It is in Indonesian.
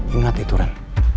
ingat itu ren